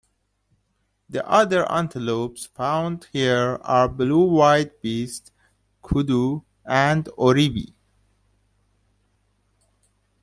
The other antelopes found here are blue wildebeest, kudu and oribi.